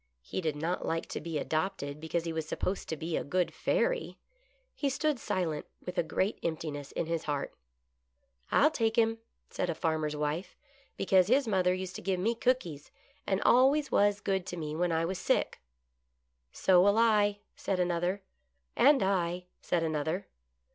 He did not like to be adopted because he was supposed to be a good fairy. He stood silent with a great emptiness in his heart. " I'll take him," said a farmer's wife, " because his mother used to give me cookies, and always was good to me when I was sick." " So will I," said another. " And I," said another.